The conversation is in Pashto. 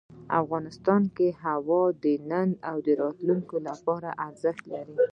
افغانستان کې هوا د نن او راتلونکي لپاره ارزښت لري.